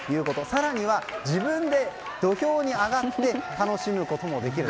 更には、自分で土俵に上がって楽しむこともできる。